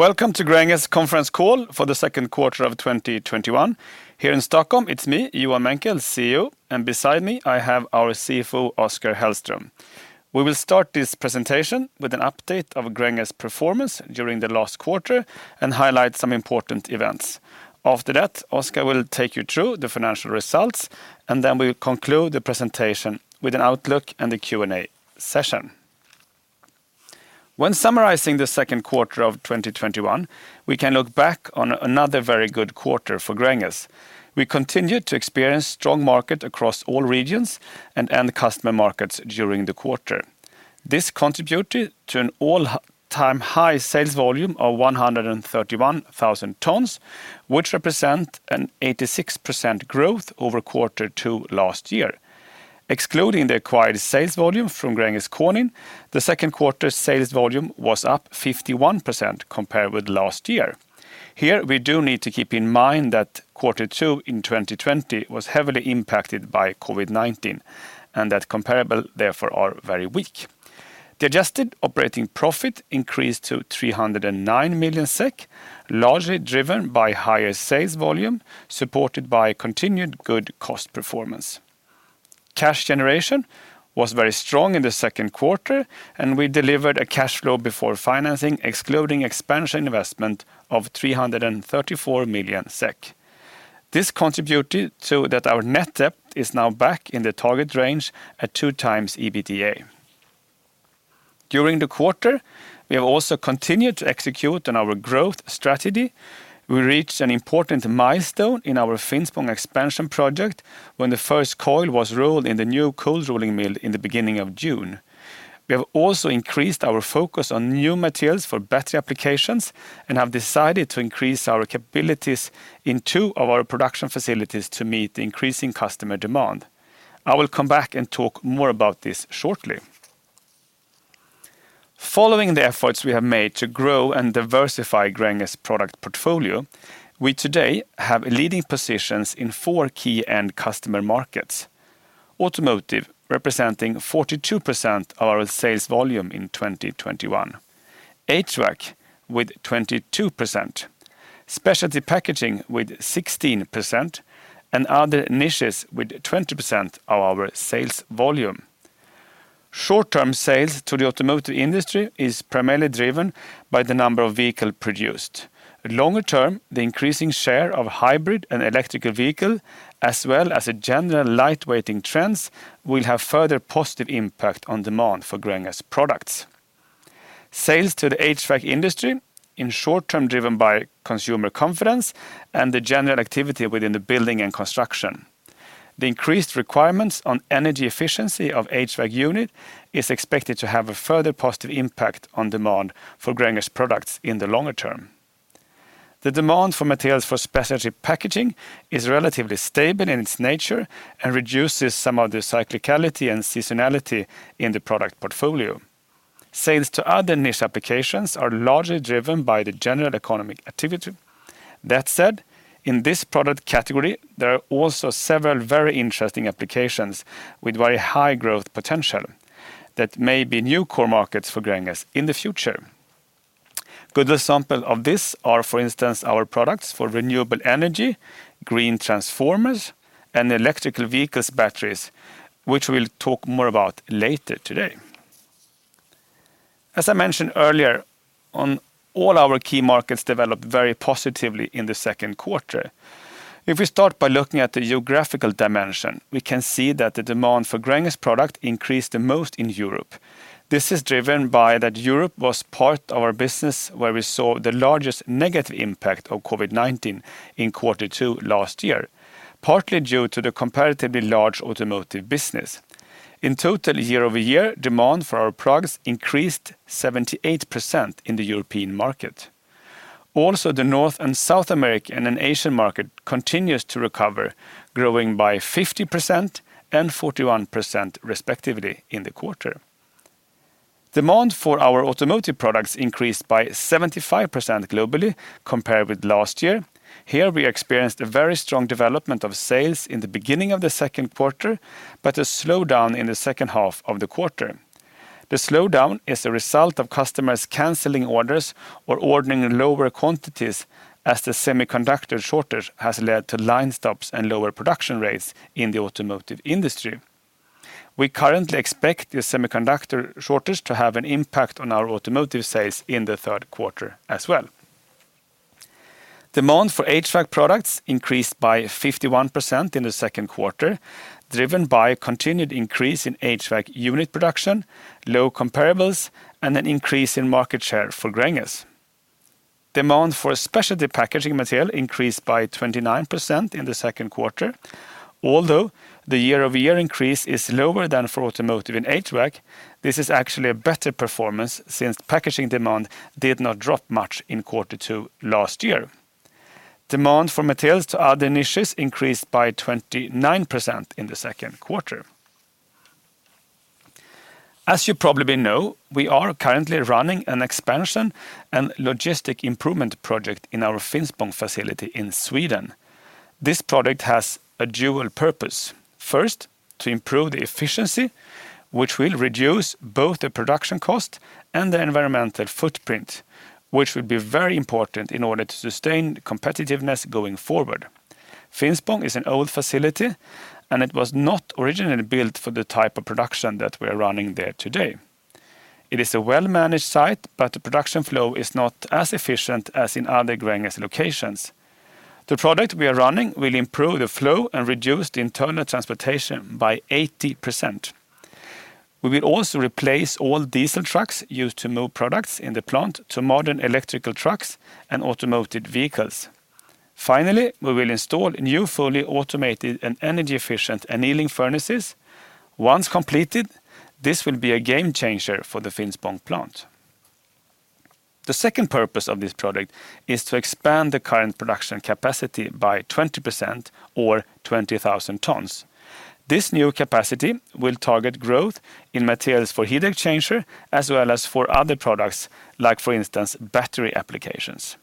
Welcome to Gränges conference call for the second quarter of 2021. Here in Stockholm, it's me, Johan Menckel, CEO, and beside me, I have our CFO, Oskar Hellström. We will start this presentation with an update of Gränges performance during the last quarter and highlight some important events. After that, Oskar will take you through the financial results, and then we will conclude the presentation with an outlook and the Q&A session. When summarizing the second quarter of 2021, we can look back on another very good quarter for Gränges. We continued to experience strong market across all regions and end customer markets during the quarter. This contributed to an all-time high sales volume of 131,000 tons, which represent an 86% growth over quarter two last year. Excluding the acquired sales volume from Gränges Konin, the second quarter sales volume was up 51% compared with last year. Here, we do need to keep in mind that quarter two in 2020 was heavily impacted by COVID-19. That comparable therefore are very weak. The adjusted operating profit increased to 309 million SEK, largely driven by higher sales volume, supported by continued good cost performance. Cash generation was very strong in the second quarter. We delivered a cash flow before financing, excluding expansion investment of 334 million SEK. This contributed so that our net debt is now back in the target range at 2x EBITDA. During the quarter, we have also continued to execute on our growth strategy. We reached an important milestone in our Finspång expansion project when the first coil was rolled in the new cold rolling mill in the beginning of June. We have also increased our focus on new materials for battery applications and have decided to increase our capabilities in two of our production facilities to meet the increasing customer demand. I will come back and talk more about this shortly. Following the efforts we have made to grow and diversify Gränges product portfolio, we today have leading positions in four key end customer markets. Automotive, representing 42% of our sales volume in 2021. HVAC, with 22%. Specialty packaging with 16%, and other niches with 20% of our sales volume. Short-term sales to the automotive industry is primarily driven by the number of vehicle produced. Longer term, the increasing share of hybrid and electrical vehicle, as well as a general lightweighting trends, will have further positive impact on demand for Gränges products. Sales to the HVAC industry, in short-term, driven by consumer confidence and the general activity within the building and construction. The increased requirements on energy efficiency of HVAC unit is expected to have a further positive impact on demand for Gränges products in the longer term. The demand for materials for specialty packaging is relatively stable in its nature and reduces some of the cyclicality and seasonality in the product portfolio. That said, in this product category, there are also several very interesting applications with very high growth potential that may be new core markets for Gränges in the future. Good example of this are, for instance, our products for renewable energy, green transformers, and electrical vehicles batteries, which we'll talk more about later today. As I mentioned earlier, all our key markets developed very positively in the second quarter. If we start by looking at the geographical dimension, we can see that the demand for Gränges product increased the most in Europe. This is driven by that Europe was part of our business where we saw the largest negative impact of COVID-19 in quarter two last year, partly due to the comparatively large automotive business. In total, year-over-year, demand for our products increased 78% in the European market. The North and South American and Asian market continues to recover, growing by 50% and 41% respectively in the quarter. Demand for our automotive products increased by 75% globally compared with last year. Here, we experienced a very strong development of sales in the beginning of the second quarter, but a slowdown in the second half of the quarter. The slowdown is a result of customers canceling orders or ordering lower quantities as the semiconductor shortage has led to line stops and lower production rates in the automotive industry. We currently expect the semiconductor shortage to have an impact on our automotive sales in the third quarter as well. Demand for HVAC products increased by 51% in the second quarter, driven by a continued increase in HVAC unit production, low comparables, and an increase in market share for Gränges. Demand for specialty packaging material increased by 29% in the second quarter. Although the year-over-year increase is lower than for automotive and HVAC, this is actually a better performance since packaging demand did not drop much in quarter two last year. Demand for materials to other niches increased by 29% in the second quarter. As you probably know, we are currently running an expansion and logistic improvement project in our Finspång facility in Sweden. This project has a dual purpose. First, to improve the efficiency, which will reduce both the production cost and the environmental footprint, which will be very important in order to sustain competitiveness going forward. Finspång is an old facility, and it was not originally built for the type of production that we are running there today. It is a well-managed site, but the production flow is not as efficient as in other Gränges locations. The project we are running will improve the flow and reduce the internal transportation by 80%. We will also replace all diesel trucks used to move products in the plant to modern electrical trucks and automotive vehicles. Finally, we will install new, fully automated and energy-efficient annealing furnaces. Once completed, this will be a game changer for the Finspång plant. The second purpose of this project is to expand the current production capacity by 20%, or 20,000 tons. This new capacity will target growth in materials for heat exchanger, as well as for other products like, for instance, battery applications.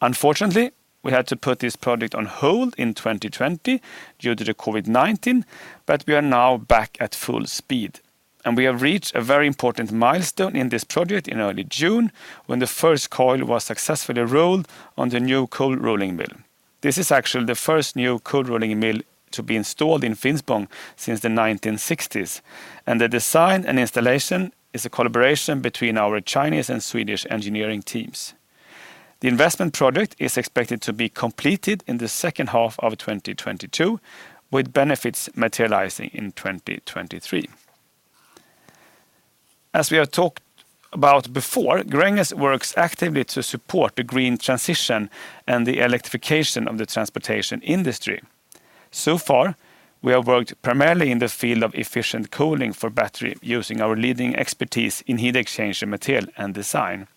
Unfortunately, we had to put this project on hold in 2020 due to the COVID-19, but we are now back at full speed, and we have reached a very important milestone in this project in early June, when the first coil was successfully rolled on the new cold rolling mill. This is actually the first new cold rolling mill to be installed in Finspång since the 1960s, and the design and installation is a collaboration between our Chinese and Swedish engineering teams. The investment project is expected to be completed in the second half of 2022, with benefits materializing in 2023. As we have talked about before, Gränges works actively to support the green transition and the electrification of the transportation industry. So far, we have worked primarily in the field of efficient cooling for battery using our leading expertise in heat exchanger material and design.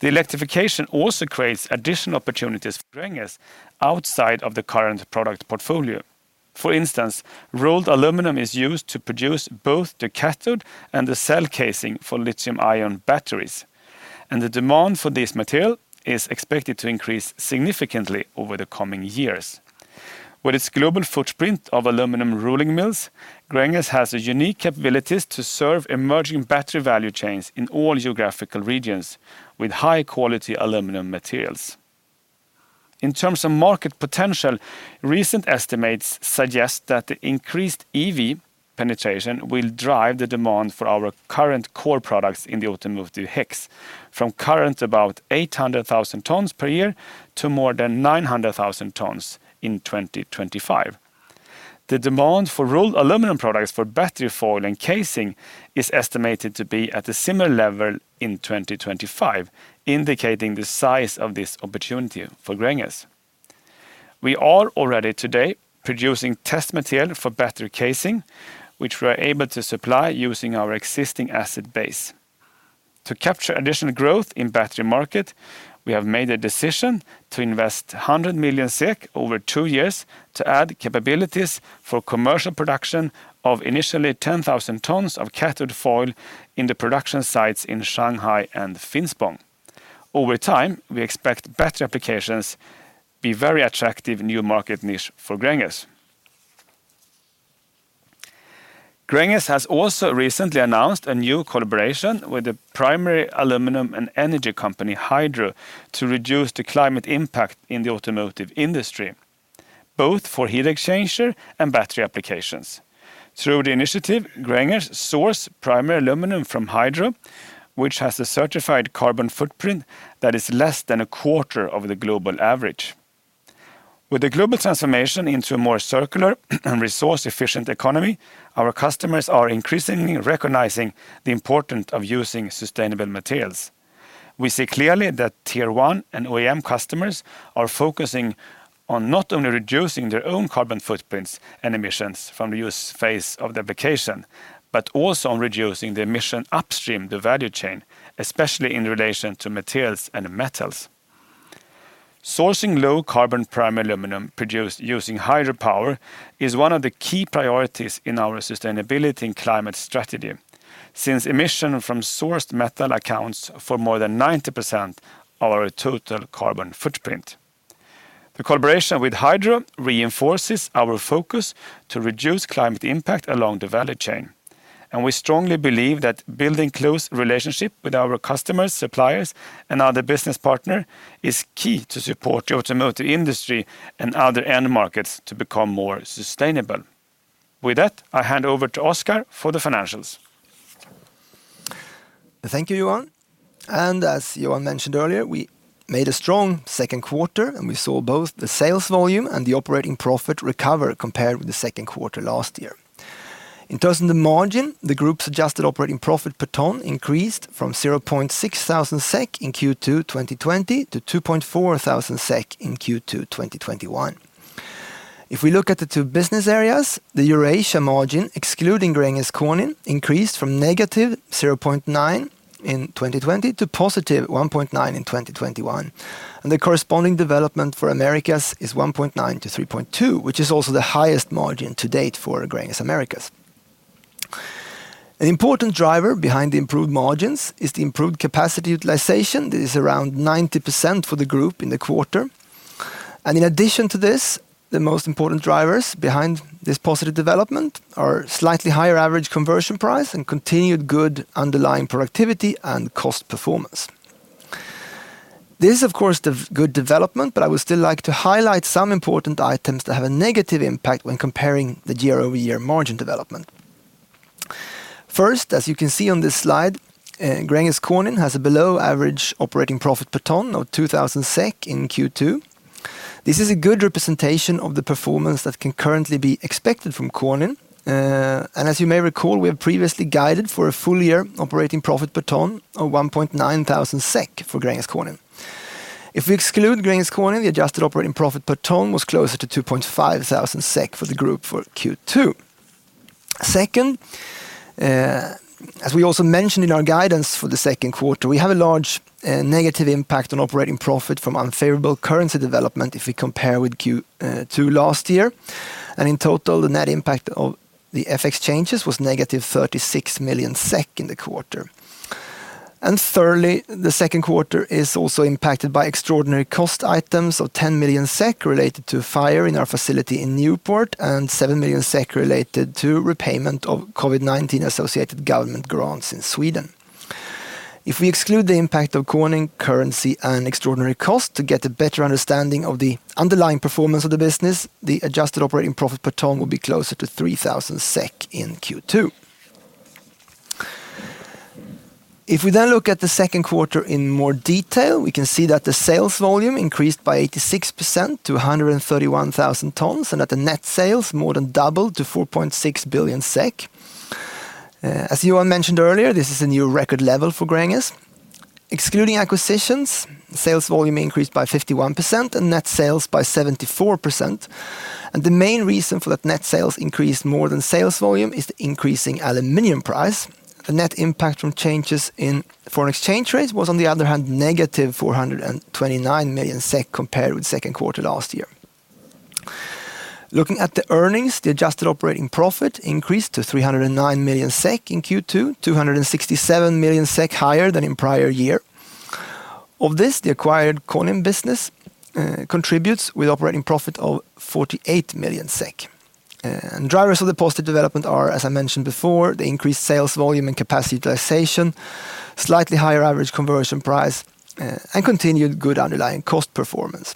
The electrification also creates additional opportunities for Gränges outside of the current product portfolio. For instance, rolled aluminum is used to produce both the cathode and the cell casing for lithium-ion batteries, and the demand for this material is expected to increase significantly over the coming years. With its global footprint of aluminum rolling mills, Gränges has the unique capabilities to serve emerging battery value chains in all geographical regions with high-quality aluminum materials. In terms of market potential, recent estimates suggest that the increased EV penetration will drive the demand for our current core products in the automotive HEX from current about 800,000 tons per year to more than 900,000 tons in 2025. The demand for rolled aluminum products for battery foil and casing is estimated to be at a similar level in 2025, indicating the size of this opportunity for Gränges. We are already today producing test material for battery casing, which we are able to supply using our existing asset base. To capture additional growth in battery market, we have made a decision to invest 100 million SEK over two years to add capabilities for commercial production of initially 10,000 tons of cathode foil in the production sites in Shanghai and Finspång. Over time, we expect battery applications be very attractive new market niche for Gränges. Gränges has also recently announced a new collaboration with the primary aluminum and energy company, Hydro, to reduce the climate impact in the automotive industry, both for heat exchanger and battery applications. Through the initiative, Gränges source primary aluminum from Hydro, which has a certified carbon footprint that is less than a quarter of the global average. With the global transformation into a more circular and resource-efficient economy, our customers are increasingly recognizing the importance of using sustainable materials. We see clearly that Tier 1 and OEM customers are focusing on not only reducing their own carbon footprints and emissions from the use phase of the application, but also on reducing the emission upstream the value chain, especially in relation to materials and metals. Sourcing low carbon primary aluminum produced using hydropower is one of the key priorities in our sustainability and climate strategy, since emission from sourced metal accounts for more than 90% of our total carbon footprint. The collaboration with Hydro reinforces our focus to reduce climate impact along the value chain. We strongly believe that building close relationship with our customers, suppliers, and other business partner is key to support the automotive industry and other end markets to become more sustainable. With that, I hand over to Oskar for the financials. Thank you, Johan, and as Johan mentioned earlier, we made a strong second quarter, and we saw both the sales volume and the operating profit recover compared with the second quarter last year. In terms of the margin, the group's adjusted operating profit per ton increased from 600 SEK in Q2 2020 to 2,400 SEK in Q2 2021. If we look at the two business areas, the Eurasia margin, excluding Gränges Konin, increased from -0.9 in 2020 to 1.9 in 2021. The corresponding development for Americas is 1.9-3.2, which is also the highest margin to date for Gränges Americas. An important driver behind the improved margins is the improved capacity utilization that is around 90% for the group in the quarter. In addition to this, the most important drivers behind this positive development are slightly higher average conversion price and continued good underlying productivity and cost performance. This, of course, good development. I would still like to highlight some important items that have a negative impact when comparing the year-over-year margin development. First, as you can see on this slide, Gränges Konin has a below-average operating profit per ton of 2,000 SEK in Q2. This is a good representation of the performance that can currently be expected from Konin. As you may recall, we have previously guided for a full-year operating profit per ton of 1,900 SEK for Gränges Konin. If we exclude Gränges Konin, the adjusted operating profit per ton was closer to 2,500 SEK for the group for Q2. Second, as we also mentioned in our guidance for the second quarter, we have a large negative impact on operating profit from unfavorable currency development if we compare with Q2 last year, in total, the net impact of the FX changes was -36 million SEK in the quarter. Thirdly, the second quarter is also impacted by extraordinary cost items of 10 million SEK related to a fire in our facility in Newport and 7 million SEK related to repayment of COVID-19 associated government grants in Sweden. If we exclude the impact of Konin, currency, and extraordinary cost to get a better understanding of the underlying performance of the business, the adjusted operating profit per ton will be closer to 3,000 SEK in Q2. If we look at the second quarter in more detail, we can see that the sales volume increased by 86% to 131,000 tons, and that the net sales more than doubled to 4.6 billion SEK. As Johan mentioned earlier, this is a new record level for Gränges. Excluding acquisitions, sales volume increased by 51% and net sales by 74%. The main reason for that net sales increased more than sales volume is the increasing aluminum price. The net impact from changes in foreign exchange rates was, on the other hand, -429 million SEK compared with second quarter last year. Looking at the earnings, the adjusted operating profit increased to 309 million SEK in Q2, 267 million SEK higher than in prior year. Of this, the acquired Konin business contributes with operating profit of 48 million SEK. Drivers of the positive development are, as I mentioned before, the increased sales volume and capacity utilization, slightly higher average conversion price, and continued good underlying cost performance.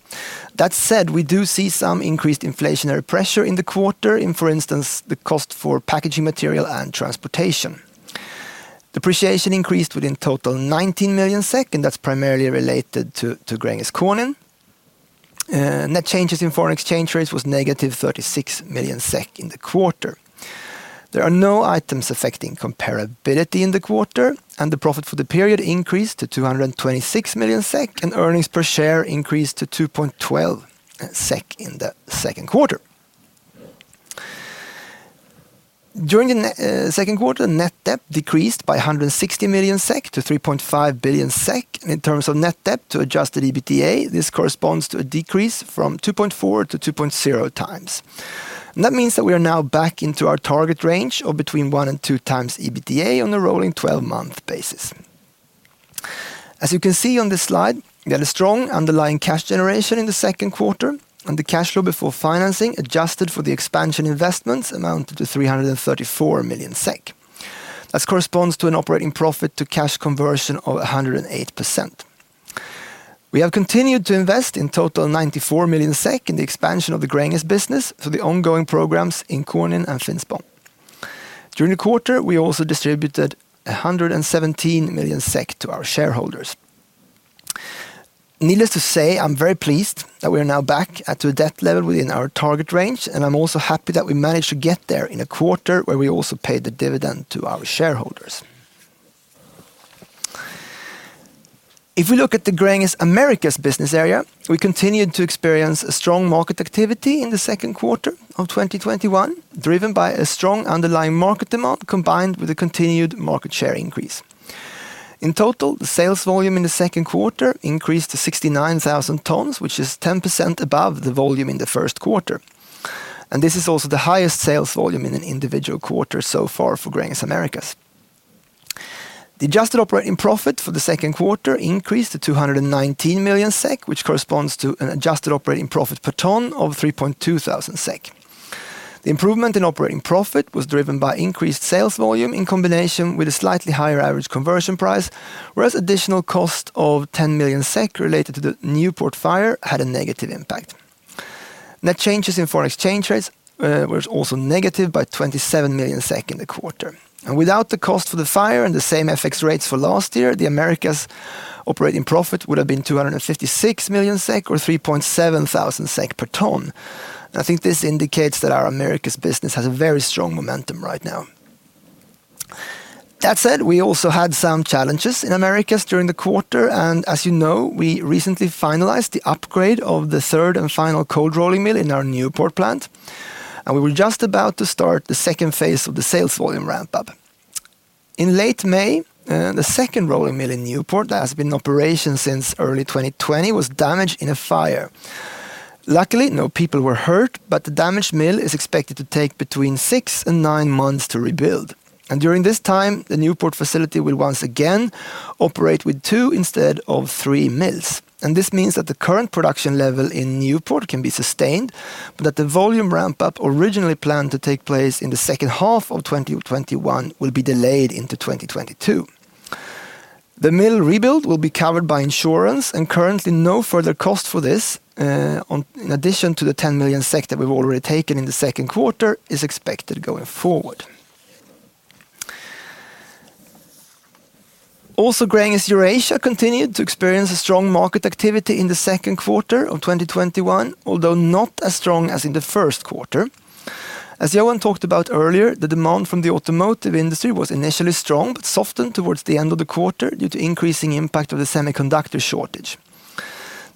That said, we do see some increased inflationary pressure in the quarter in, for instance, the cost for packaging material and transportation. Depreciation increased with in total 19 million SEK, and that's primarily related to Gränges Konin. Net changes in foreign exchange rates was -36 million SEK in the quarter. There are no items affecting comparability in the quarter, and the profit for the period increased to 226 million SEK, and earnings per share increased to 2.12 SEK in the second quarter. During the second quarter, net debt decreased by 160 million-3.5 billion SEK, and in terms of net debt to adjusted EBITDA, this corresponds to a decrease from 2.4 to 2.0x. That means that we are now back into our target range of between 1 and 2x EBITDA on a rolling 12-month basis. As you can see on this slide, we had a strong underlying cash generation in the second quarter, and the cash flow before financing adjusted for the expansion investments amounted to 334 million SEK. That corresponds to an operating profit to cash conversion of 108%. We have continued to invest in total 94 million SEK in the expansion of the Gränges business for the ongoing programs in Konin and Finspång. During the quarter, we also distributed 117 million SEK to our shareholders. Needless to say, I'm very pleased that we are now back at a debt level within our target range, and I'm also happy that we managed to get there in a quarter where we also paid the dividend to our shareholders. If we look at the Gränges Americas business area, we continued to experience a strong market activity in the second quarter of 2021, driven by a strong underlying market demand combined with a continued market share increase. In total, the sales volume in the second quarter increased to 69,000 tons, which is 10% above the volume in the first quarter. This is also the highest sales volume in an individual quarter so far for Gränges Americas. The adjusted operating profit for the second quarter increased to 219 million SEK, which corresponds to an adjusted operating profit per ton of 3,200 SEK. The improvement in operating profit was driven by increased sales volume in combination with a slightly higher average conversion price, whereas additional cost of 10 million SEK related to the Newport fire had a negative impact. Net changes in foreign exchange rates were also negative by 27 million in the quarter. Without the cost for the fire and the same FX rates for last year, the Americas operating profit would have been 256 million SEK or 3,700 SEK per ton. I think this indicates that our Americas business has a very strong momentum right now. That said, we also had some challenges in Americas during the quarter, and as you know, we recently finalized the upgrade of the third and final cold rolling mill in our Newport plant, and we were just about to start the second phase of the sales volume ramp-up. In late May, the second rolling mill in Newport that has been in operation since early 2020 was damaged in a fire. Luckily, no people were hurt, but the damaged mill is expected to take between six and nine months to rebuild. During this time, the Newport facility will once again operate with two instead of three mills. This means that the current production level in Newport can be sustained, but that the volume ramp-up, originally planned to take place in the second half of 2021, will be delayed into 2022. The mill rebuild will be covered by insurance, and currently, no further cost for this, in addition to the 10 million SEK that we've already taken in the second quarter, is expected going forward. Also, Gränges Eurasia continued to experience a strong market activity in the second quarter of 2021, although not as strong as in the first quarter. As Johan talked about earlier, the demand from the automotive industry was initially strong, but softened towards the end of the quarter due to increasing impact of the semiconductor shortage.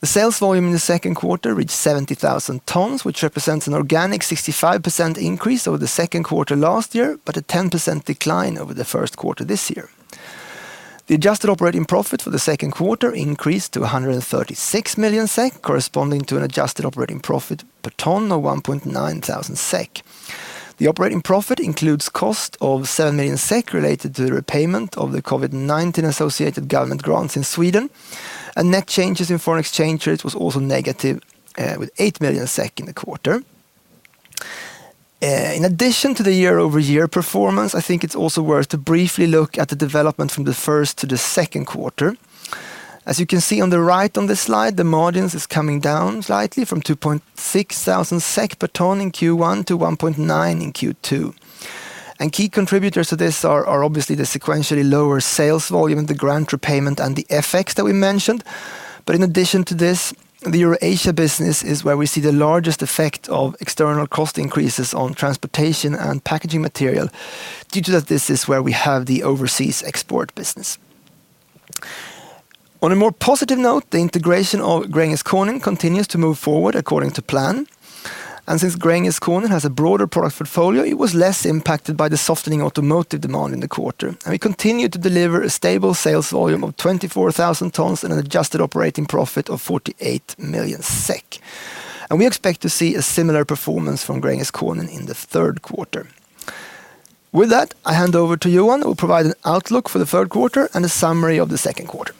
The sales volume in the second quarter reached 70,000 tons, which represents an organic 65% increase over the second quarter last year, a 10% decline over the first quarter this year. The adjusted operating profit for the second quarter increased to 136 million SEK, corresponding to an adjusted operating profit per ton of 1,900 SEK. The operating profit includes cost of 7 million SEK related to the repayment of the COVID-19 associated government grants in Sweden, net changes in foreign exchange rates was also negative, with 8 million SEK in the quarter. In addition to the year-over-year performance, I think it's also worth to briefly look at the development from the first to the second quarter. As you can see on the right on this slide, the margins is coming down slightly from 2,600 SEK per ton in Q1 to 1,900 in Q2. Key contributors to this are obviously the sequentially lower sales volume, the grant repayment, and the FX that we mentioned. In addition to this, the Eurasia business is where we see the largest effect of external cost increases on transportation and packaging material due to that this is where we have the overseas export business. On a more positive note, the integration of Gränges Konin continues to move forward according to plan. Since Gränges Konin has a broader product portfolio, it was less impacted by the softening automotive demand in the quarter. We continue to deliver a stable sales volume of 24,000 tons and an adjusted operating profit of 48 million SEK. We expect to see a similar performance from Gränges Konin in the third quarter. With that, I hand over to Johan, who will provide an outlook for the third quarter and a summary of the second quarter.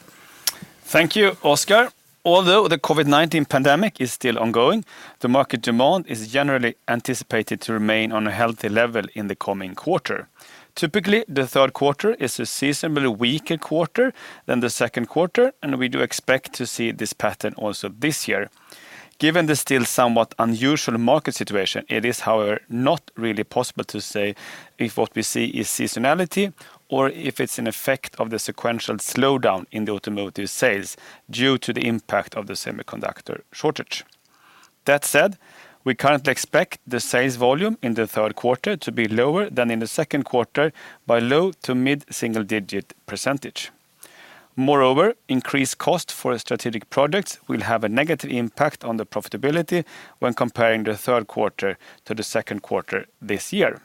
Thank you, Oskar. Although the COVID-19 pandemic is still ongoing, the market demand is generally anticipated to remain on a healthy level in the coming quarter. Typically, the third quarter is a seasonably weaker quarter than the second quarter, and we do expect to see this pattern also this year. Given the still somewhat unusual market situation, it is, however, not really possible to say if what we see is seasonality or if it's an effect of the sequential slowdown in the automotive sales due to the impact of the semiconductor shortage. That said, we currently expect the sales volume in the third quarter to be lower than in the second quarter by low to mid single-digit percentage. Moreover, increased cost for strategic products will have a negative impact on the profitability when comparing the third quarter to the second quarter this year.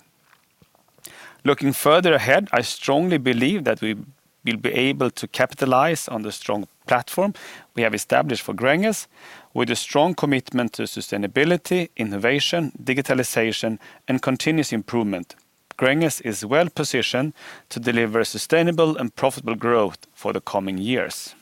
Looking further ahead, I strongly believe that we will be able to capitalize on the strong platform we have established for Gränges. With a strong commitment to sustainability, innovation, digitalization, and continuous improvement, Gränges is well-positioned to deliver sustainable and profitable growth for the coming years.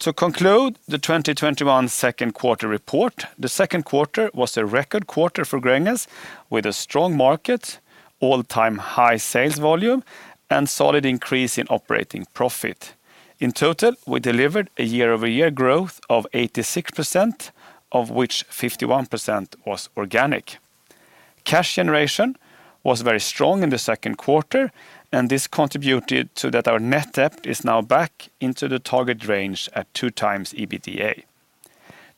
To conclude the 2021 second quarter report, the second quarter was a record quarter for Gränges with a strong market, all-time high sales volume, and solid increase in operating profit. In total, we delivered a year-over-year growth of 86%, of which 51% was organic. Cash generation was very strong in the second quarter, and this contributed so that our net debt is now back into the target range at 2x EBITDA.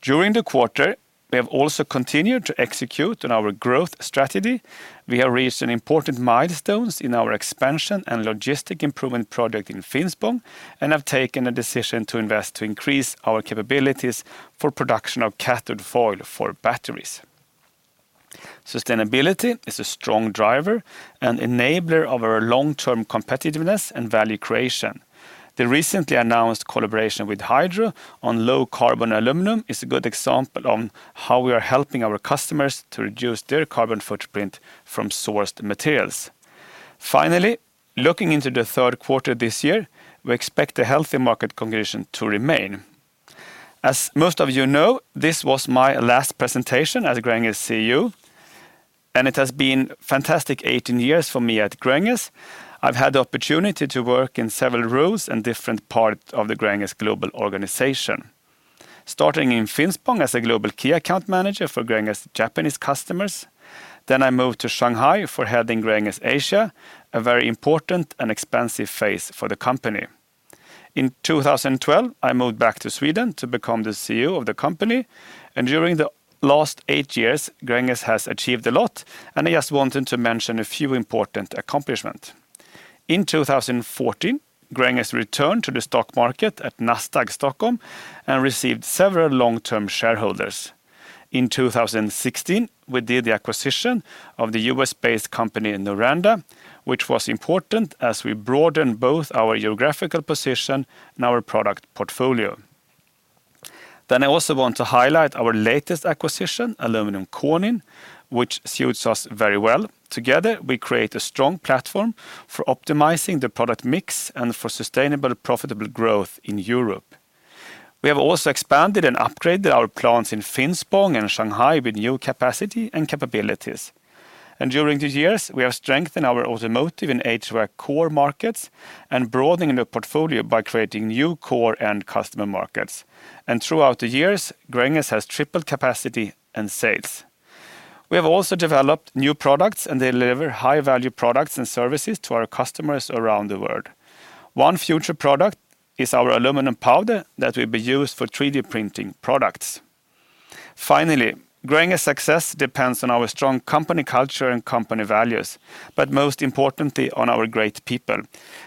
During the quarter, we have also continued to execute on our growth strategy. We have reached an important milestones in our expansion and logistic improvement project in Finspång and have taken a decision to invest to increase our capabilities for production of cathode foil for batteries. Sustainability is a strong driver and enabler of our long-term competitiveness and value creation. The recently announced collaboration with Hydro on low-carbon aluminum is a good example on how we are helping our customers to reduce their carbon footprint from sourced materials. Finally, looking into the third quarter this year, we expect a healthy market condition to remain. As most of you know, this was my last presentation as Gränges CEO, and it has been fantastic 18 years for me at Gränges. I've had the opportunity to work in several roles and different parts of the Gränges global organization. Starting in Finspång as a global key account manager for Gränges' Japanese customers. I moved to Shanghai for heading Gränges Asia, a very important and expansive phase for the company. In 2012, I moved back to Sweden to become the CEO of the company, and during the last eight years, Gränges has achieved a lot, and I just wanted to mention a few important accomplishments. In 2014, Gränges returned to the stock market at Nasdaq Stockholm and received several long-term shareholders. In 2016, we did the acquisition of the U.S.-based company Noranda, which was important as we broadened both our geographical position and our product portfolio. I also want to highlight our latest acquisition, Aluminium Konin, which suits us very well. Together, we create a strong platform for optimizing the product mix and for sustainable, profitable growth in Europe. We have also expanded and upgraded our plants in Finspång and Shanghai with new capacity and capabilities. During the years, we have strengthened our automotive in HVAC core markets and broadening the portfolio by creating new core and customer markets. Throughout the years, Gränges has tripled capacity and sales. We have also developed new products and deliver high-value products and services to our customers around the world. One future product is our aluminum powder that will be used for 3D printing products. Finally, Gränges' success depends on our strong company culture and company values, but most importantly on our great people.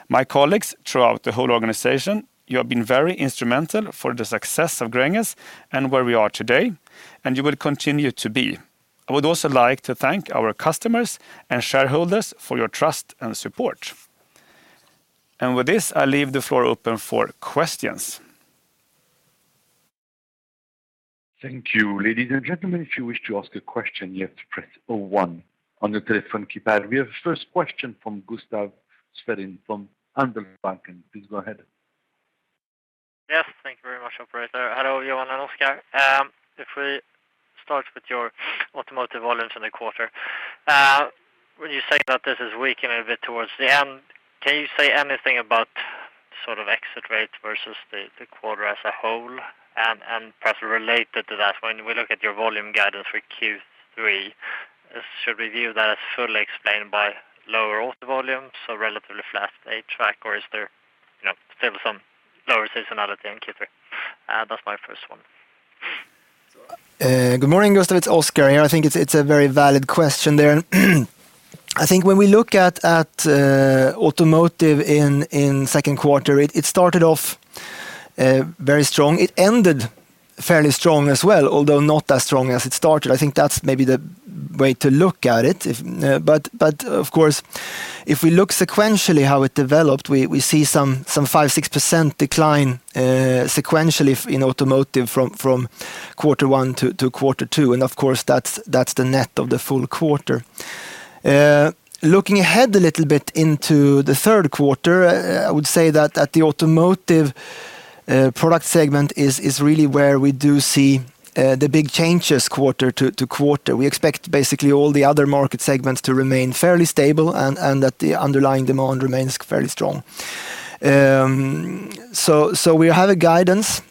My colleagues throughout the whole organization, you have been very instrumental for the success of Gränges and where we are today, and you will continue to be. I would also like to thank our customers and shareholders for your trust and support. With this, I leave the floor open for questions. Thank you. Ladies and gentlemen, if you wish to ask a question, you have to press 01 on the telephone keypad. We have first question from Gustaf Schwerin from Handelsbanken. Please go ahead. Yes, thank you very much, operator. Hello, Johan and Oskar. If we start with your automotive volumes in the quarter, when you say that this is weakening a bit towards the end, can you say anything about sort of exit rates versus the quarter as a whole? Perhaps related to that, when we look at your volume guidance for Q3, should we view that as fully explained by lower auto volumes, so relatively flat HVAC, or is there still some lower seasonality in Q3? That's my first one. Good morning, Gustaf, it's Oskar here. I think it's a very valid question there. I think when we look at automotive in second quarter, it started off very strong. It ended fairly strong as well, although not as strong as it started. I think that's maybe the way to look at it. Of course, if we look sequentially how it developed, we see some 5%-6% decline sequentially in automotive from quarter one to quarter two. Of course, that's the net of the full quarter. Looking ahead a little bit into the third quarter, I would say that the automotive product segment is really where we do see the big changes quarter to quarter. We expect basically all the other market segments to remain fairly stable, and that the underlying demand remains fairly strong. We have a guidance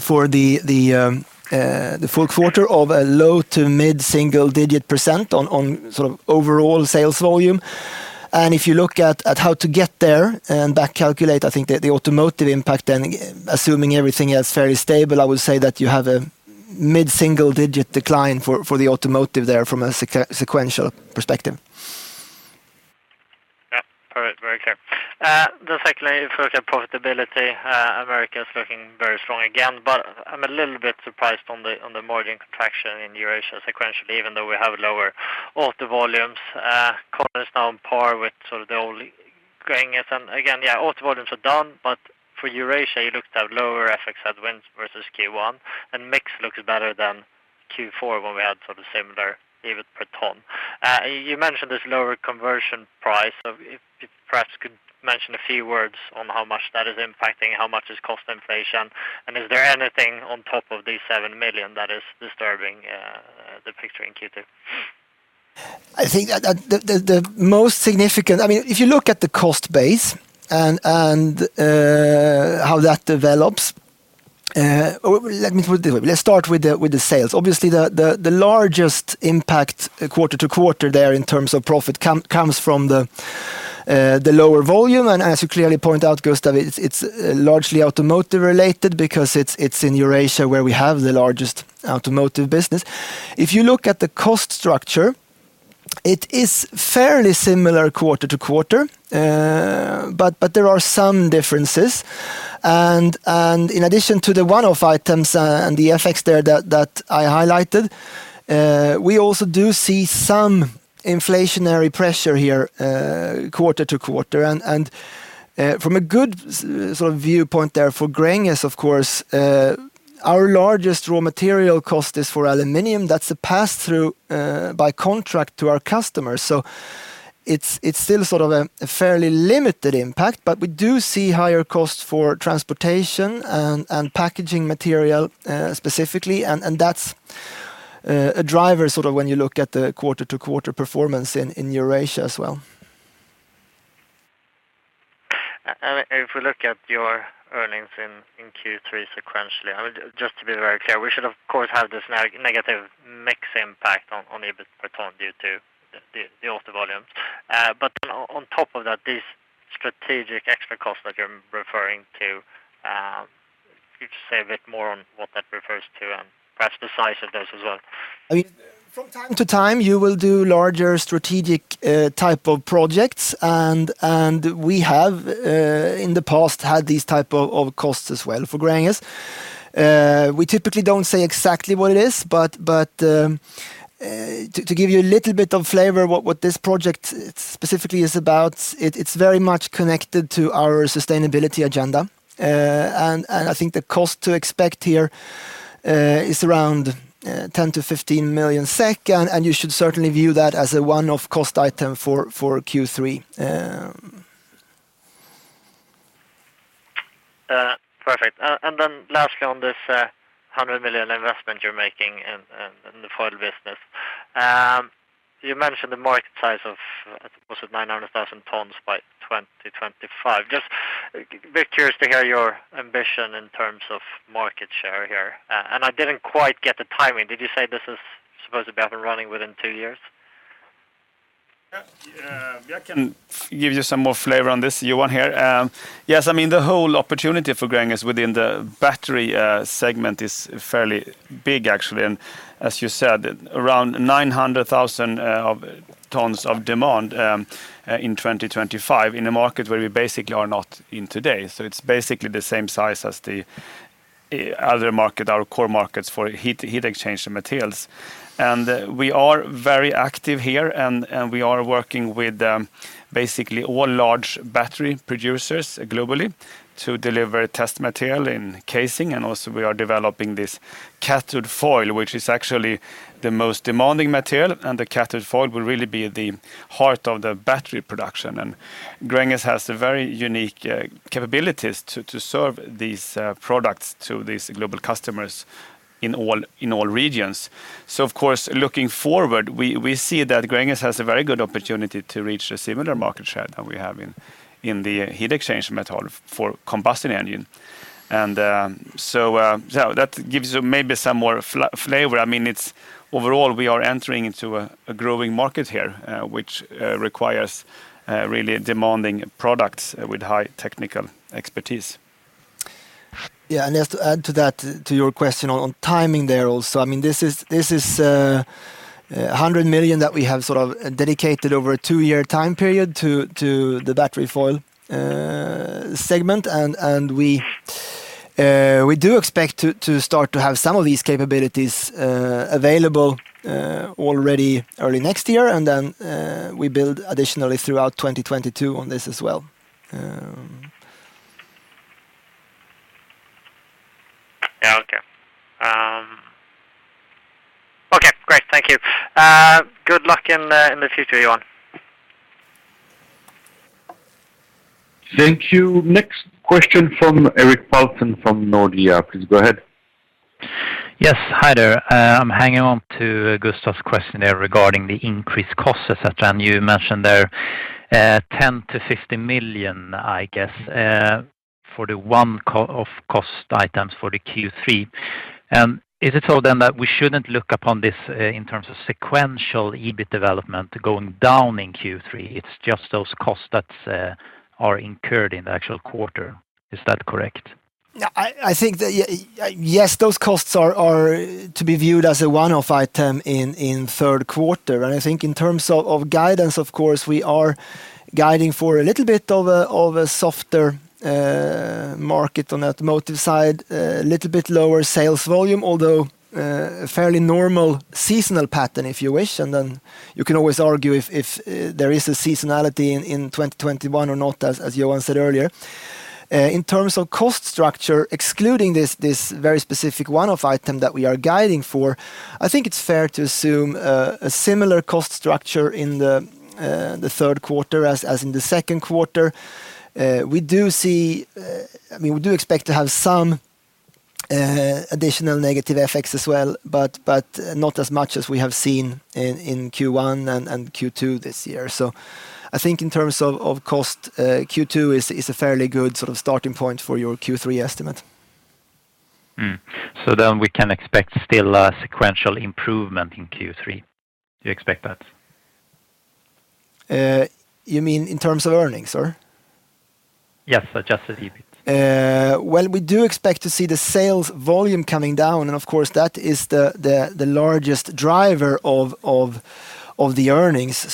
for the full quarter of a low to mid-single digit percent on sort of overall sales volume. If you look at how to get there and back calculate, I think the automotive impact then, assuming everything else fairly stable, I would say that you have a mid-single digit decline for the automotive there from a sequential perspective. Yeah. Perfect. Very clear. Secondly, if we look at profitability, America is looking very strong again, but I'm a little bit surprised on the margin contraction in Eurasia sequentially, even though we have lower auto volumes. Konin is now on par with sort of the old Gränges. Again, yeah, auto volumes are down, but for Eurasia, you look to have lower FX headwinds versus Q1, and mix looks better than Q4 when we had sort of similar EBIT per ton. You mentioned this lower conversion price. If perhaps could mention a few words on how much that is impacting, how much is cost inflation, and is there anything on top of these SEK 7 million that is disturbing the picture in Q2? I think that if you look at the cost base and how that develops, let's start with the sales. The largest impact quarter to quarter there in terms of profit comes from the lower volume. As you clearly point out, Gustaf, it's largely automotive related because it's in Eurasia where we have the largest automotive business. If you look at the cost structure, it is fairly similar quarter to quarter, there are some differences. In addition to the one-off items and the FX there that I highlighted, we also do see some inflationary pressure here quarter to quarter. From a good sort of viewpoint there for Gränges, of course, our largest raw material cost is for aluminum. That's a pass-through by contract to our customers. It's still sort of a fairly limited impact, but we do see higher costs for transportation and packaging material, specifically, and that's a driver sort of when you look at the quarter-to-quarter performance in Eurasia as well. If we look at your earnings in Q3 sequentially, just to be very clear, we should of course have this negative mix impact on EBIT per ton due to the auto volumes. On top of that, these strategic extra costs that you're referring to, could you say a bit more on what that refers to and perhaps the size of those as well? From time to time, you will do larger strategic type of projects, we have, in the past, had these type of costs as well for Gränges. We typically don't say exactly what it is, but to give you a little bit of flavor what this project specifically is about, it's very much connected to our sustainability agenda. I think the cost to expect here is around 10 million-15 million SEK, and you should certainly view that as a one-off cost item for Q3. Perfect. Lastly, on this 100 million investment you're making in the foil business. You mentioned the market size of, was it 900,000 tons by 2025? Just very curious to hear your ambition in terms of market share here. I didn't quite get the timing. Did you say this is supposed to be up and running within two years? I can give you some more flavor on this, Johan, here. The whole opportunity for Gränges within the battery segment is fairly big, actually. As you said, around 900,000 tons of demand in 2025 in a market where we basically are not in today. It's basically the same size as the other market, our core markets for heat exchange materials. We are very active here, and we are working with basically all large battery producers globally to deliver test material in casing. Also we are developing this cathode foil, which is actually the most demanding material, and the cathode foil will really be the heart of the battery production. Gränges has very unique capabilities to serve these products to these global customers in all regions. Of course, looking forward, we see that Gränges has a very good opportunity to reach a similar market share that we have in the heat exchange material for combustion engine. That gives maybe some more flavor. Overall, we are entering into a growing market here, which requires really demanding products with high technical expertise. Just to add to that, to your question on timing there also, this is 100 million that we have dedicated over a two-year time period to the battery foil segment. We do expect to start to have some of these capabilities available already early next year, and then we build additionally throughout 2022 on this as well. Yeah, okay. Okay, great. Thank you. Good luck in the future, Johan. Thank you. Next question from [Eric Palthen] from Nordea. Please go ahead. Yes. Hi there. I'm hanging on to Gustaf's question there regarding the increased costs, et cetera. You mentioned there 10 million-15 million, I guess, for the one-off cost items for the Q3. Is it so then that we shouldn't look upon this in terms of sequential EBIT development going down in Q3? It's just those costs that are incurred in the actual quarter. Is that correct? I think that, yes, those costs are to be viewed as a one-off item in third quarter. I think in terms of guidance, of course, we are guiding for a little bit of a softer market on automotive side, a little bit lower sales volume, although a fairly normal seasonal pattern, if you wish. You can always argue if there is a seasonality in 2021 or not, as Johan said earlier. In terms of cost structure, excluding this very specific one-off item that we are guiding for, I think it's fair to assume a similar cost structure in the third quarter as in the second quarter. We do expect to have some additional negative effects as well, but not as much as we have seen in Q1 and Q2 this year. I think in terms of cost, Q2 is a fairly good starting point for your Q3 estimate. We can expect still a sequential improvement in Q3. Do you expect that? You mean in terms of earnings, sir? Yes, adjusted EBIT. Well, we do expect to see the sales volume coming down, and of course, that is the largest driver of the earnings.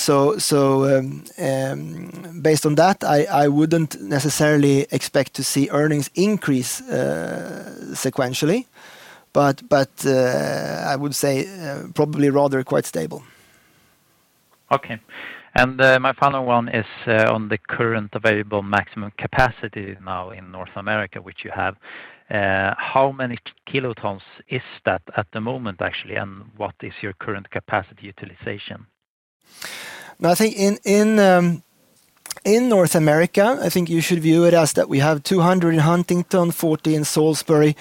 Based on that, I wouldn't necessarily expect to see earnings increase sequentially, but I would say probably rather quite stable. Okay. My final one is on the current available maximum capacity now in North America, which you have. How many kilotons is that at the moment, actually? What is your current capacity utilization? In North America, I think you should view it as that we have 200 in Huntington, 40 in Salisbury.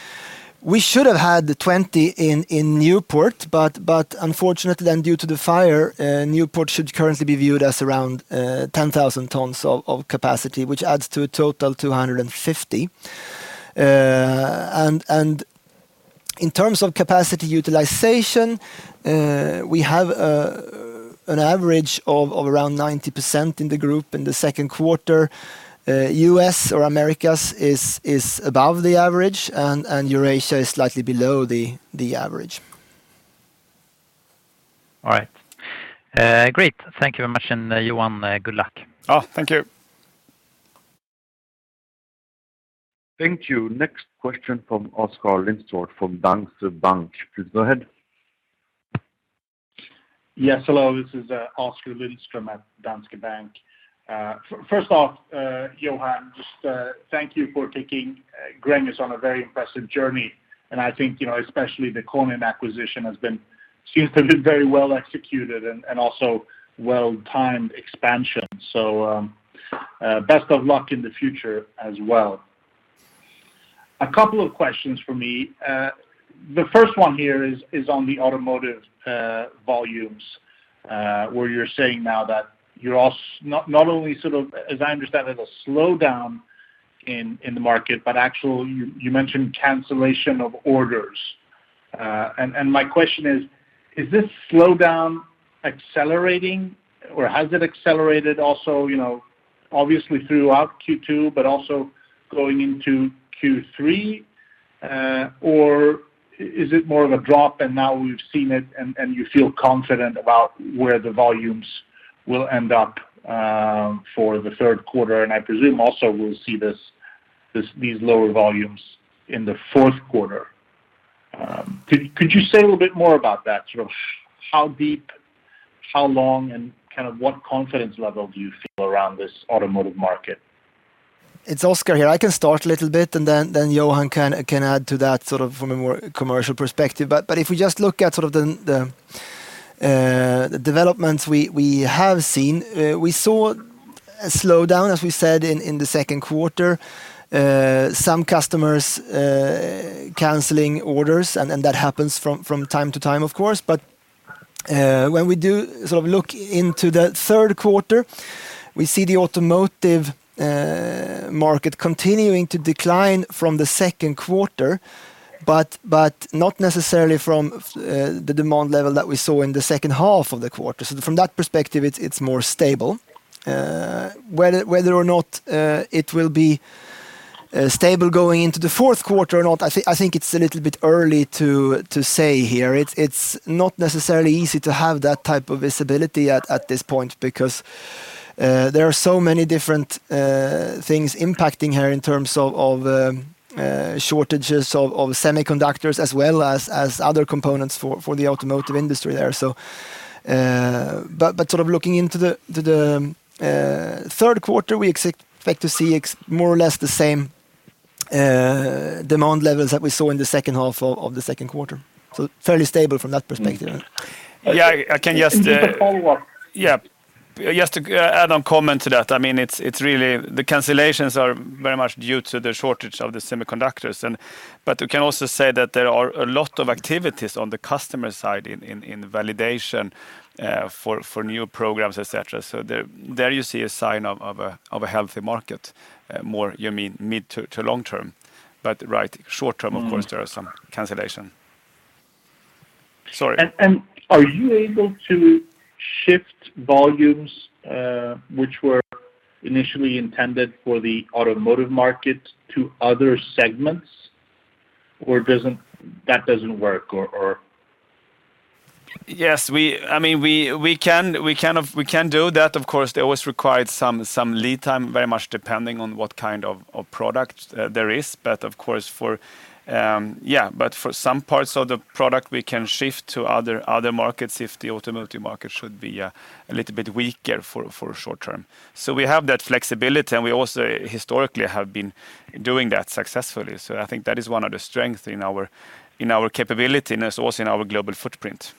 We should have had the 20 in Newport, but unfortunately then, due to the fire, Newport should currently be viewed as around 10,000 tons of capacity, which adds to a total 250. In terms of capacity utilization, we have an average of around 90% in the group in the second quarter. U.S. or Americas is above the average, and Eurasia is slightly below the average. All right. Great. Thank you very much. Johan, good luck. Thank you. Thank you. Next question from Oskar Lindström from Danske Bank. Please go ahead. Yes, hello, this is Oskar Lindström at Danske Bank. First off, Johan, just thank you for taking Gränges on a very impressive journey, and I think especially the Konin acquisition seems to have been very well executed and also well-timed expansion. Best of luck in the future as well. A couple of questions from me. The first one here is on the automotive volumes, where you're saying now that you're not only, as I understand it, a slowdown in the market, but actually you mentioned cancellation of orders. My question is: Is this slowdown accelerating, or has it accelerated also, obviously throughout Q2, but also going into Q3? Is it more of a drop, and now we've seen it, and you feel confident about where the volumes will end up for the third quarter? I presume also we'll see these lower volumes in the fourth quarter. Could you say a little bit more about that? How deep, how long, and what confidence level do you feel around this automotive market? It's Oskar here. I can start a little bit, and then Johan can add to that from a more commercial perspective. If we just look at the developments we have seen, we saw a slowdown, as we said, in the second quarter. Some customers canceling orders, and that happens from time to time, of course. When we do look into the third quarter, we see the automotive market continuing to decline from the second quarter, but not necessarily from the demand level that we saw in the second half of the quarter. From that perspective, it's more stable. Whether or not it will be stable going into the fourth quarter or not, I think it's a little bit early to say here. It's not necessarily easy to have that type of visibility at this point because there are so many different things impacting here in terms of shortages of semiconductors as well as other components for the automotive industry there. Looking into the third quarter, we expect to see more or less the same demand levels that we saw in the second half of the second quarter. Fairly stable from that perspective. Yeah, I can just. Just a follow-up. Yeah. Just to add on comment to that, the cancellations are very much due to the shortage of the semiconductors. We can also say that there are a lot of activities on the customer side in validation for new programs, et cetera. There you see a sign of a healthy market, more mid to long term. Right, short term, of course, there are some cancellation. Sorry. Are you able to shift volumes which were initially intended for the automotive market to other segments, or that doesn't work, or? Yes, we can do that. Of course, they always required some lead time, very much depending on what kind of product there is. For some parts of the product, we can shift to other markets if the automotive market should be a little bit weaker for short term. We have that flexibility, and we also historically have been doing that successfully. I think that is one of the strengths in our capability, and it's also in our global footprint.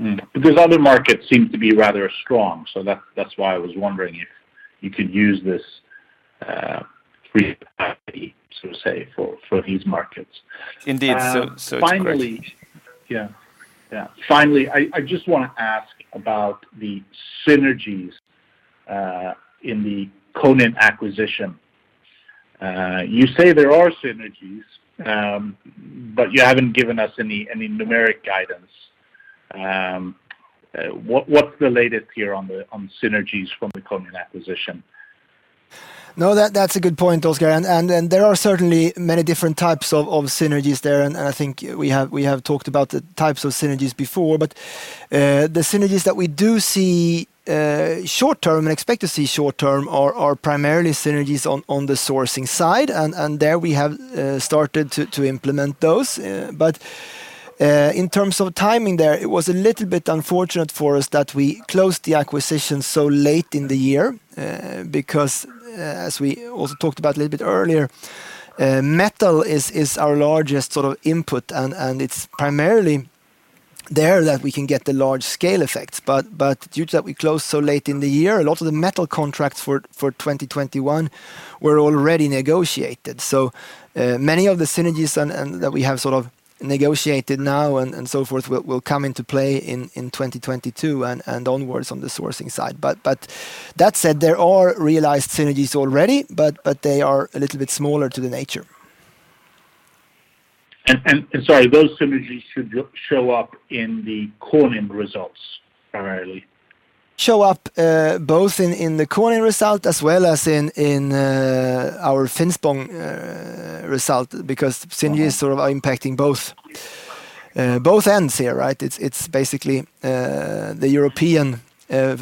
Other markets seem to be rather strong, so that's why I was wondering if you could use this free capacity, so to say, for these markets. Indeed. It's correct. Finally, I just want to ask about the synergies in the Konin acquisition. You say there are synergies, but you haven't given us any numeric guidance. What's the latest here on synergies from the Konin acquisition? No, that's a good point, Oskar, and there are certainly many different types of synergies there, and I think we have talked about the types of synergies before. The synergies that we do see short term and expect to see short term are primarily synergies on the sourcing side, and there we have started to implement those. In terms of timing there, it was a little bit unfortunate for us that we closed the acquisition so late in the year because, as we also talked about a little bit earlier, metal is our largest input, and it's primarily there that we can get the large scale effects. Due to that we closed so late in the year, a lot of the metal contracts for 2021 were already negotiated. Many of the synergies that we have negotiated now and so forth will come into play in 2022 and onwards on the sourcing side. That said, there are realized synergies already. They are a little bit smaller to the nature. Sorry, those synergies should show up in the Konin results primarily? Show up both in the Konin result as well as in our Finspång result, because synergies are impacting both ends here, right? It's basically the European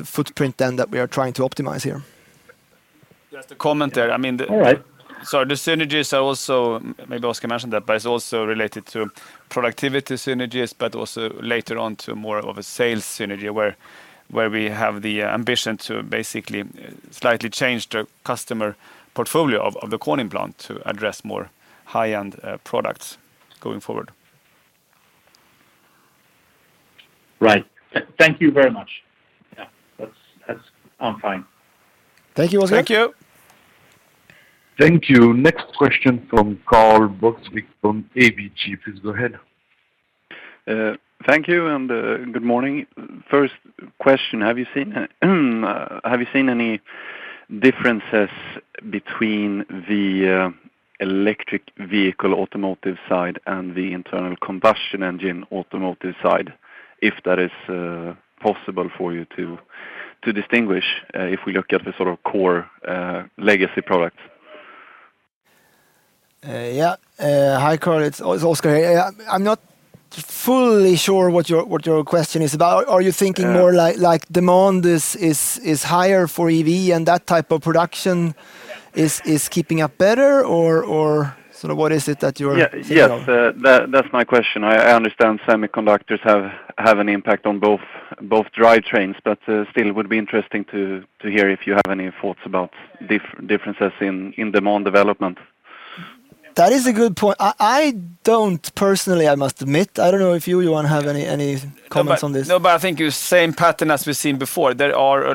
footprint then that we are trying to optimize here. Just to comment there. All right. The synergies are also, maybe Oskar mentioned that, but it is also related to productivity synergies, but also later on to more of a sales synergy, where we have the ambition to basically slightly change the customer portfolio of the Konin plant to address more high-end products going forward. Right. Thank you very much. Yeah. That's all fine. Thank you, Oskar. Thank you. Thank you. Next question from Karl Bokvist from ABG. Please go ahead. Thank you, and good morning. First question, have you seen any differences between the electric vehicle automotive side and the internal combustion engine automotive side, if that is possible for you to distinguish if we look at the sort of core legacy product? Yeah. Hi, Karl, it's Oskar here. I'm not fully sure what your question is about. Are you thinking more like demand is higher for EV and that type of production is keeping up better, or what is it that you're thinking of? Yes, that's my question. I understand semiconductors have an impact on both drivetrains. Still it would be interesting to hear if you have any thoughts about differences in demand development. That is a good point. I don't personally, I must admit. I don't know if you, Johan, have any comments on this? I think it's the same pattern as we've seen before. There are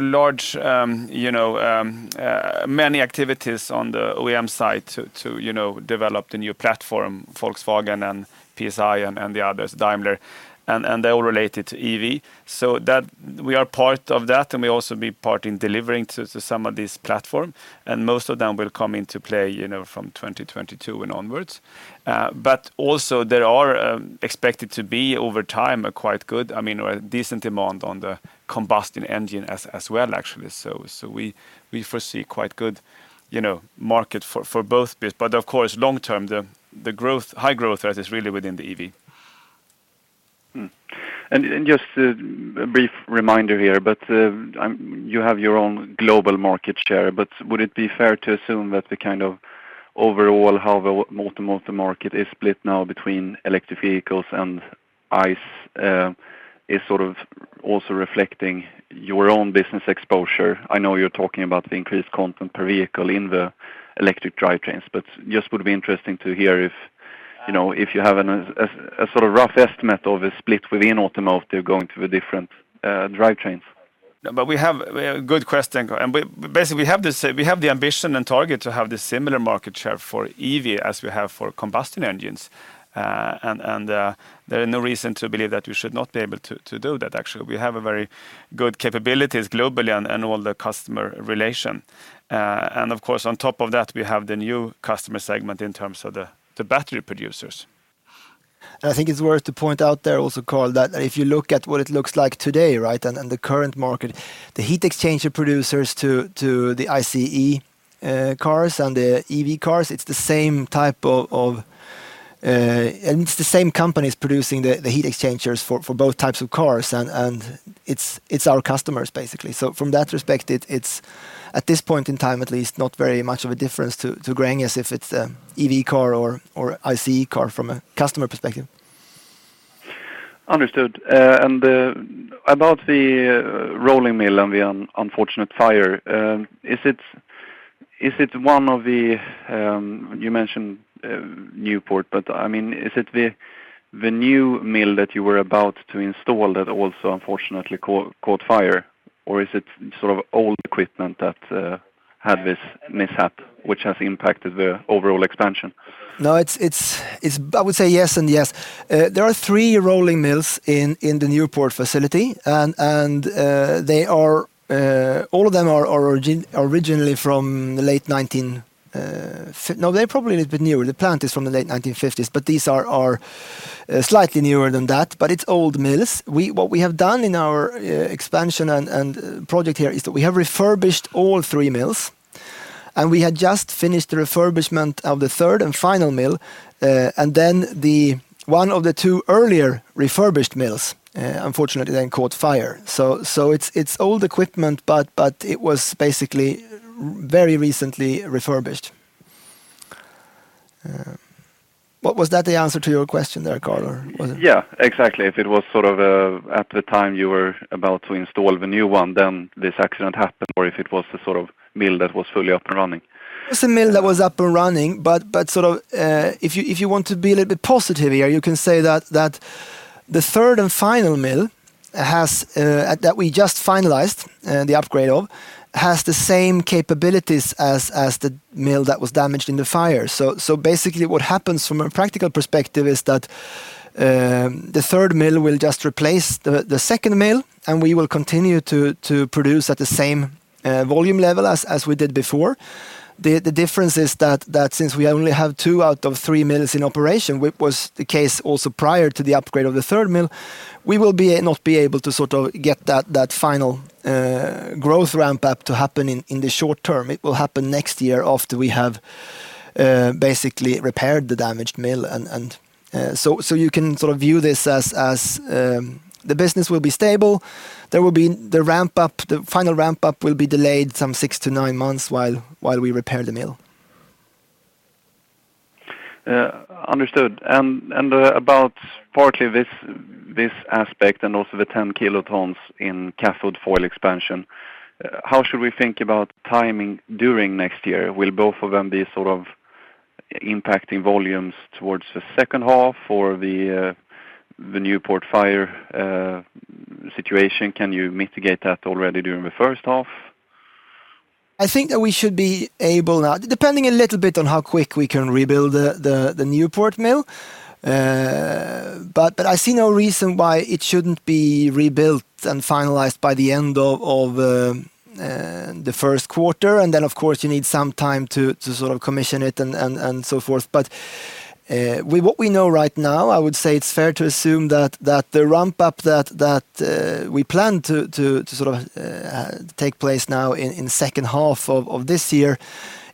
many activities on the OEM side to develop the new platform, Volkswagen and PSA and the others, Daimler, and they're all related to EV. We are part of that, and we also be part in delivering to some of these platform. Most of them will come into play from 2022 and onwards. Also there are expected to be, over time, a quite good, I mean, a decent demand on the combustion engine as well, actually. We foresee quite good market for both bits. Of course, long term, the high growth rate is really within the EV. Just a brief reminder here, you have your own global market share, would it be fair to assume that the kind of overall how the automotive market is split now between electric vehicles and ICE, is also reflecting your own business exposure? I know you're talking about the increased content per vehicle in the electric drivetrains, just would be interesting to hear if you have a rough estimate of the split within automotive going to the different drivetrains. Good question, Karl. Basically, we have the ambition and target to have the similar market share for EV as we have for combustion engines. There are no reason to believe that we should not be able to do that actually. We have a very good capabilities globally and all the customer relation. Of course, on top of that, we have the new customer segment in terms of the battery producers. I think it's worth to point out there also, Karl, that if you look at what it looks like today, right, and the current market, the heat exchanger producers to the ICE cars and the EV cars, it's the same companies producing the heat exchangers for both types of cars, and it's our customers, basically. From that respect, it's at this point in time at least not very much of a difference to Gränges if it's an EV car or ICE car from a customer perspective. Understood. About the rolling mill and the unfortunate fire, you mentioned Newport, is it the new mill that you were about to install that also unfortunately caught fire, or is it sort of old equipment that had this mishap, which has impacted the overall expansion? No, I would say yes and yes. There are three rolling mills in the Newport facility, and all of them are originally from the late 19-- No, they're probably a little bit newer. The plant is from the late 1950s, but these are slightly newer than that. It's old mills. What we have done in our expansion and project here is that we have refurbished all three mills, and we had just finished the refurbishment of the third and final mill, and then one of the two earlier refurbished mills, unfortunately, then caught fire. It's old equipment, but it was basically very recently refurbished. Was that the answer to your question there, Karl? Yeah, exactly. If it was sort of at the time you were about to install the new one, then this accident happened, or if it was the sort of mill that was fully up and running. It was a mill that was up and running, but if you want to be a little bit positive here, you can say that the third and final mill that we just finalized the upgrade of, has the same capabilities as the mill that was damaged in the fire. Basically what happens from a practical perspective is that the third mill will just replace the second mill, and we will continue to produce at the same volume level as we did before. The difference is that since we only have two out of three mills in operation, which was the case also prior to the upgrade of the third mill, we will not be able to get that final growth ramp-up to happen in the short term. It will happen next year after we have basically repaired the damaged mill. You can view this as the business will be stable. The final ramp-up will be delayed some six to nine months while we repair the mill. Understood. About partly this aspect and also the 10 kilotons in cathode foil expansion, how should we think about timing during next year? Will both of them be impacting volumes towards the second half for the Newport fire situation? Can you mitigate that already during the first half? I think that we should be able, depending a little bit on how quick we can rebuild the Newport mill. I see no reason why it shouldn't be rebuilt and finalized by the end of the first quarter. Then, of course, you need some time to commission it and so forth. With what we know right now, I would say it's fair to assume that the ramp-up that we plan to take place now in the second half of this year,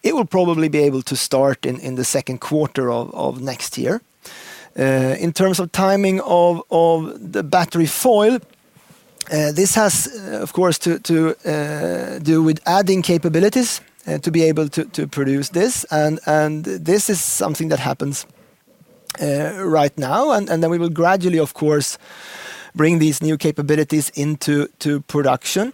it will probably be able to start in the second quarter of next year. In terms of timing of the battery foil, this has, of course, to do with adding capabilities to be able to produce this. This is something that happens right now, then we will gradually, of course, bring these new capabilities into production.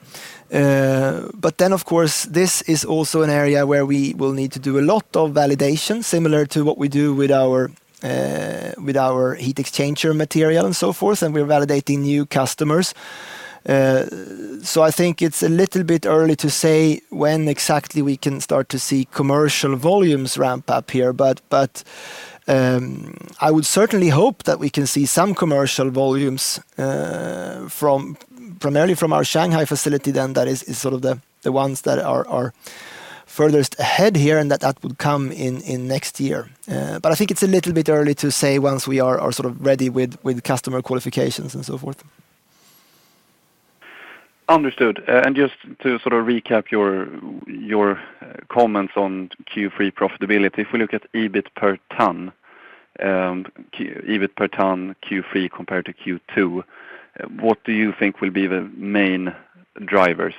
Of course, this is also an area where we will need to do a lot of validation, similar to what we do with our heat exchanger material and so forth, and we're validating new customers. I think it's a little bit early to say when exactly we can start to see commercial volumes ramp up here. I would certainly hope that we can see some commercial volumes primarily from our Shanghai facility, then that is the ones that are furthest ahead here, and that would come in next year. I think it's a little bit early to say once we are sort of ready with customer qualifications and so forth. Understood. Just to recap your comments on Q3 profitability. If we look at EBIT per ton, Q3 compared to Q2, what do you think will be the main drivers?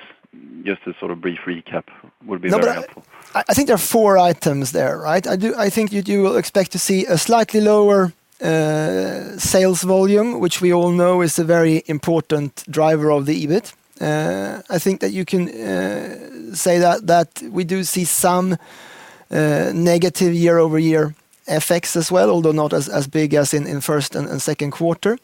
Just a sort of brief recap would be very helpful. I think there are four items there. I think you do expect to see a slightly lower sales volume, which we all know is a very important driver of the EBIT. I think that you can say that we do see some negative year-over-year effects as well, although not as big as in first and second quarter.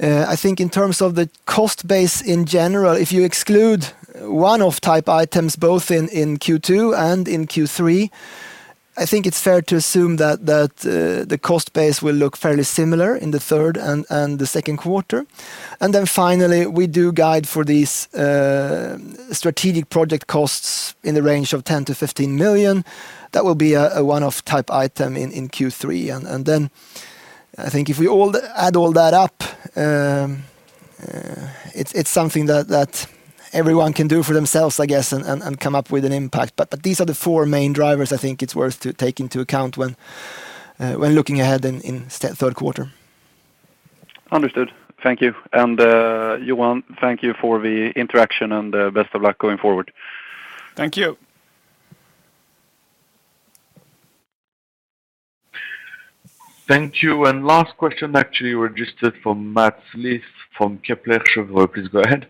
I think in terms of the cost base in general, if you exclude one-off type items, both in Q2 and in Q3, I think it's fair to assume that the cost base will look fairly similar in the third and the second quarter. Finally, we do guide for these strategic project costs in the range of 10 million-15 million. That will be a one-off type item in Q3. I think if we add all that up, it's something that everyone can do for themselves, I guess, and come up with an impact. These are the four main drivers I think it's worth to take into account when looking ahead in third quarter. Understood. Thank you. Johan, thank you for the interaction and best of luck going forward. Thank you. Thank you. Last question actually registered from Mats Liss from Kepler Cheuvreux. Please go ahead.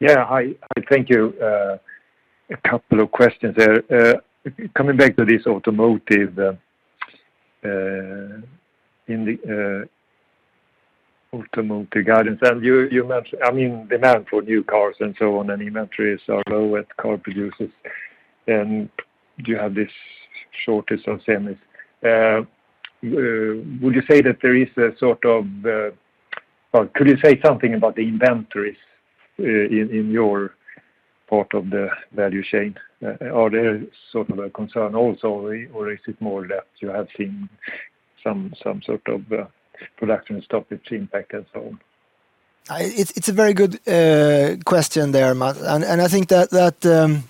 Yeah. Hi. Thank you. A couple of questions there. Coming back to this automotive guidance, you mentioned, demand for new cars and so on, and inventories are low at car producers. You have this shortage of semis. Could you say something about the inventories in your part of the value chain? Are they sort of a concern also, or is it more that you have seen some sort of production stoppage impact and so on? It's a very good question there, Mats. I think that,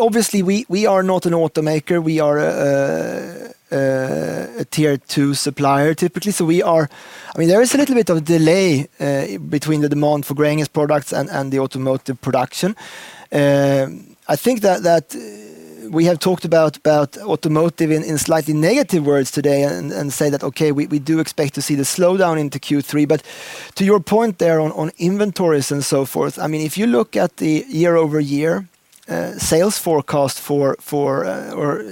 obviously, we are not an automaker. We are a Tier 2 supplier, typically. There is a little bit of a delay between the demand for Gränges products and the automotive production. I think that we have talked about automotive in slightly negative words today and say that, okay, we do expect to see the slowdown into Q3. To your point there on inventories and so forth, if you look at the year-over-year sales forecast for, or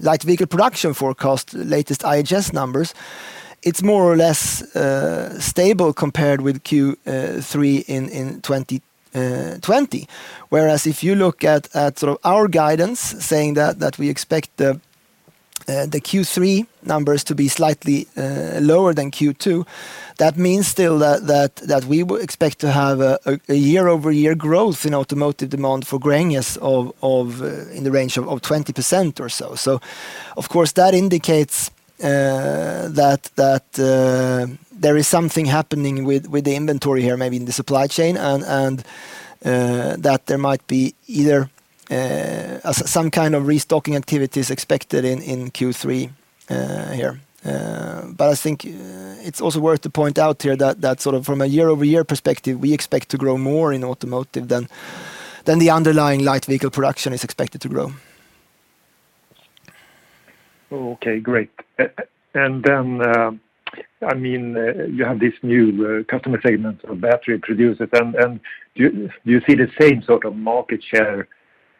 light vehicle production forecast, latest IHS numbers. It's more or less stable compared with Q3 in 2020. If you look at our guidance saying that we expect the Q3 numbers to be slightly lower than Q2, that means still that we will expect to have a year-over-year growth in automotive demand for Gränges in the range of 20% or so. Of course, that indicates that there is something happening with the inventory here, maybe in the supply chain, and that there might be either some kind of restocking activities expected in Q3 here. I think it's also worth to point out here that from a year-over-year perspective, we expect to grow more in automotive than the underlying light vehicle production is expected to grow. Okay, great. You have this new customer segment of battery producers, do you see the same sort of market share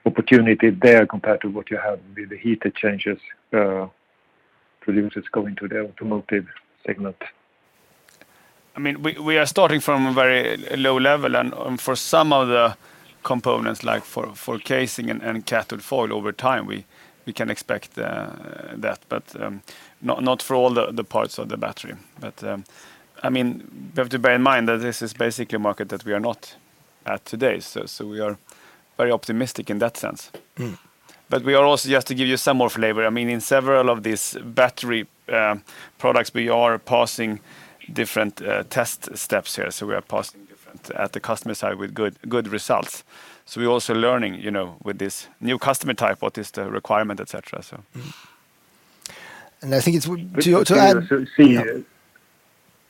opportunity there compared to what you have with the heat exchangers producers going to the automotive segment? We are starting from a very low level, and for some of the components, like for casing and cathode foil, over time, we can expect that. Not for all the parts of the battery. We have to bear in mind that this is basically a market that we are not at today, so we are very optimistic in that sense. We are also, just to give you some more flavor, in several of these battery products, we are passing different test steps here. We are passing different at the customer side with good results. We're also learning, with this new customer type, what is the requirement, et cetera. And I think to add- Do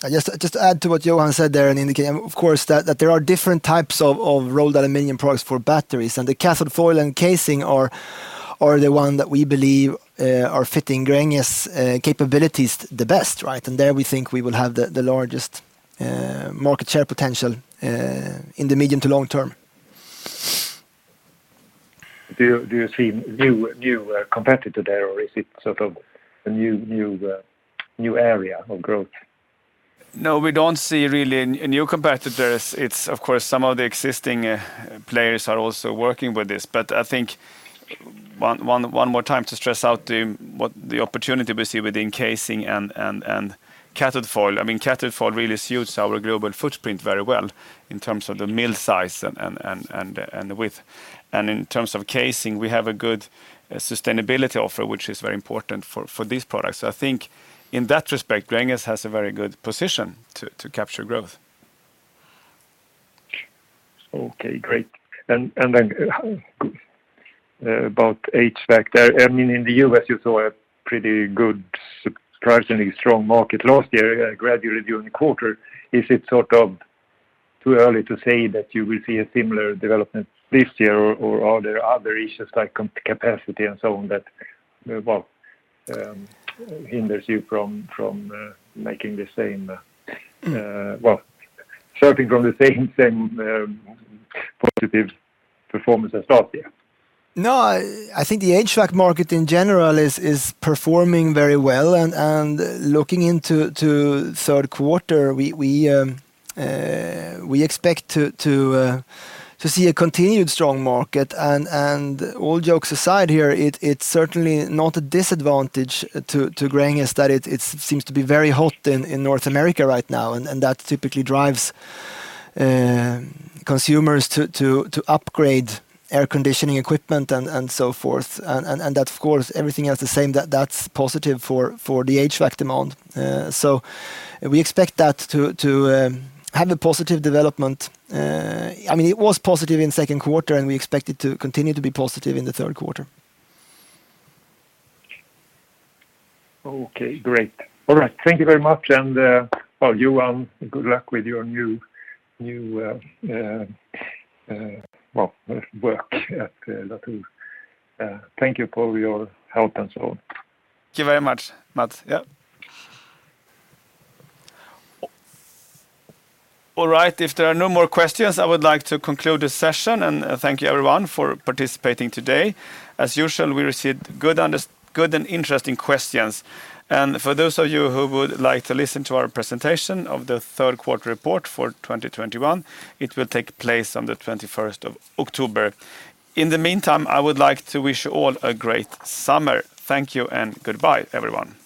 you see- Just add to what Johan said there and indicate, of course, that there are different types of rolled aluminum products for batteries, and the cathode foil and casing are the one that we believe are fitting Gränges' capabilities the best. There we think we will have the largest market share potential in the medium to long term. Do you see new competitor there, or is it sort of a new area of growth? No, we don't see really new competitors. It's, of course, some of the existing players are also working with this. I think, one more time to stress out what the opportunity we see within casing and cathode foil. Cathode foil really suits our global footprint very well in terms of the mill size and the width. In terms of casing, we have a good sustainability offer, which is very important for these products. I think in that respect, Gränges has a very good position to capture growth. Okay, great. About HVAC there. In the U.S. you saw a pretty good, surprisingly strong market last year gradually during the quarter. Is it sort of too early to say that you will see a similar development this year or are there other issues like capacity and so on that hinders you from making the same, well, starting from the same positive performance as last year? I think the HVAC market in general is performing very well. Looking into third quarter, we expect to see a continued strong market. All jokes aside here, it's certainly not a disadvantage to Gränges that it seems to be very hot in North America right now, and that typically drives consumers to upgrade air conditioning equipment and so forth. That, of course, everything else the same, that's positive for the HVAC demand. We expect that to have a positive development. It was positive in second quarter, and we expect it to continue to be positive in the third quarter. Okay, great. All right. Thank you very much. Johan, good luck with your new work at Latour. Thank you for your help and so on. Thank you very much, Mats. Yeah. All right. If there are no more questions, I would like to conclude this session, and thank you, everyone, for participating today. As usual, we received good and interesting questions. For those of you who would like to listen to our presentation of the third quarter report for 2021, it will take place on the October 21st. In the meantime, I would like to wish you all a great summer. Thank you and goodbye, everyone.